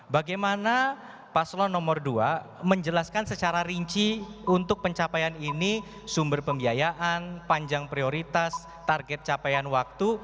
bagaimana paslon nomor dua menjelaskan secara rinci untuk pencapaian ini sumber pembiayaan panjang prioritas target capaian waktu